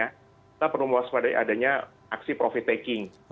kita perlu mewaspadai adanya aksi profit taking